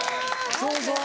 そうそう。